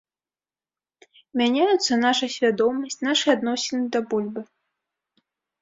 Мяняюцца наша свядомасць, нашы адносіны да бульбы.